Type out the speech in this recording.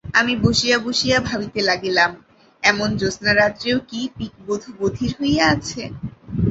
আমি বসিয়া বসিয়া ভাবিতে লাগিলাম, এমন জ্যোৎস্নারাত্রেও কি পিকবধূ বধির হইয়া আছে।